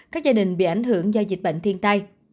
các gia đình bị ảnh hưởng do dịch bệnh thiên tai